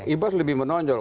ibas lebih menonjol